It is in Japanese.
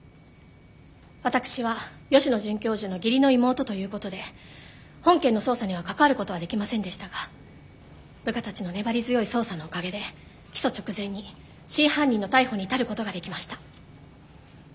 私は吉野准教授の義理の妹ということで本件の捜査には関わることはできませんでしたが部下たちの粘り強い捜査のおかげで起訴直前に真犯人の逮捕に至ることができました。